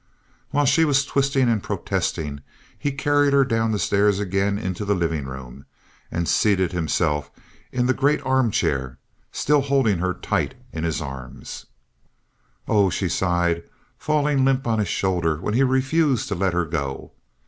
While she was twisting and protesting, he carried her down the stairs again into the living room, and seated himself in the great armchair, still holding her tight in his arms. "Oh!" she sighed, falling limp on his shoulder when he refused to let her go.